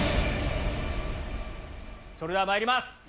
それではまいります